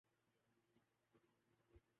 فی البدیہہ بولتے ہیں۔